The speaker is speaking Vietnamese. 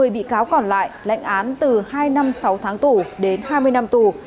một mươi bị cáo còn lại lãnh án từ hai năm sáu tháng tù đến hai mươi năm tù